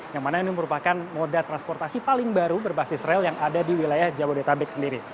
yang mana ini merupakan moda transportasi paling baru berbasis rel yang ada di wilayah jabodetabek sendiri